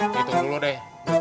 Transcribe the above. hitung dulu deh